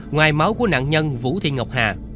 ngoài máu của nạn nhân vũ thiên ngọc hà